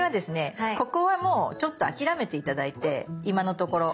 ここはもうちょっと諦めて頂いて今のところ。